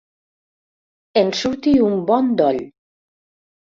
En surti un bon doll.